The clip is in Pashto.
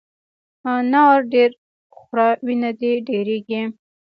انار ډېر خوره ، وینه دي ډېرېږي !